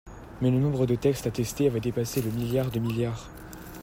Mais le nombre de textes à tester avait dépassé le milliard de milliards